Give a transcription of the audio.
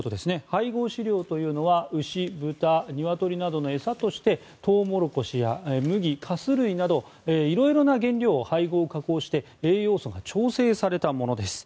配合飼料というのは牛、豚、ニワトリなどの餌としてトウモロコシや麦、かす類などいろいろな原料を配合・加工して栄養素が調整されたものです。